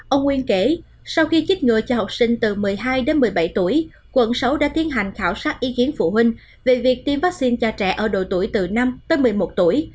ông nguyên kể sau khi chích ngừa cho học sinh từ một mươi hai đến một mươi bảy tuổi quận sáu đã tiến hành khảo sát ý kiến phụ huynh về việc tiêm vaccine cho trẻ ở độ tuổi từ năm tới một mươi một tuổi